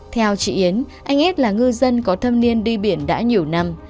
theo chị yến anh yết là ngư dân có thâm niên đi biển đã nhiều năm